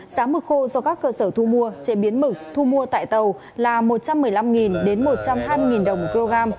giá mực khô do các cơ sở thu mua chế biến mực thu mua tại tàu là một trăm một mươi năm một trăm hai mươi đồng một kg